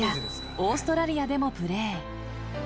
オーストラリアでもプレー。